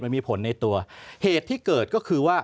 มันมีผลในตัวเหตุที่เกิดก็คือว่า